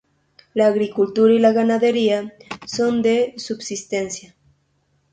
La agricultura y la ganadería son de subsistencia.